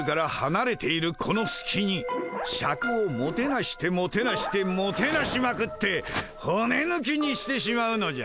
このすきにシャクをもてなしてもてなしてもてなしまくって骨抜きにしてしまうのじゃ。